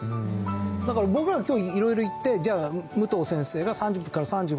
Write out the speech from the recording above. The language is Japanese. だから僕らが今日色々言ってじゃあ武藤先生が３０分から３５。